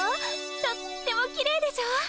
とってもきれいでしょ。